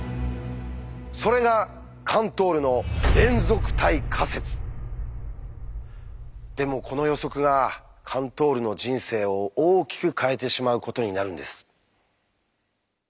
それがカントールのでもこの予測がカントールの人生を大きく変えてしまうことになるんです。